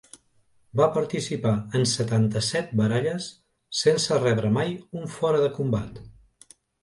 Va participar en setanta-set baralles sense rebre mai un fora de combat.